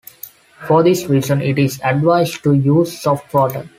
For this reason, it is advised to use soft water.